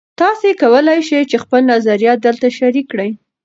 تاسي کولای شئ خپل نظریات دلته شریک کړئ.